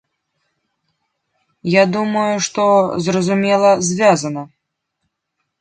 Я думаю, што, зразумела, звязана.